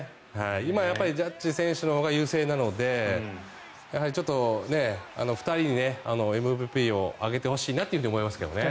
今、ジャッジ選手のほうが優勢なのでちょっと２人にＭＶＰをあげてほしいなと思いますけどね。